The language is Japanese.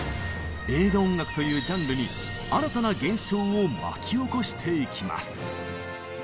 映画音楽というジャンルに新たな現象を巻き起こしていきます。